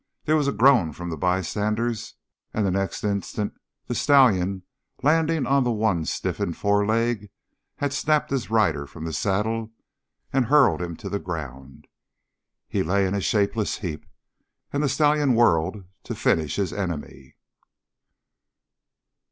There was a groan from the bystanders; and the next instant the stallion, landing on the one stiffened foreleg, had snapped his rider from the saddle and hurled him to the ground. He lay in a shapeless heap, and the stallion whirled to finish his enemy.